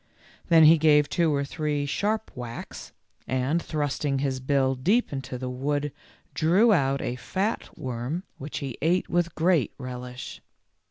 Then he gave two or three sharp whacks, and thrusting his bill deep into the wood drew out a fat worm which he ate with great relish.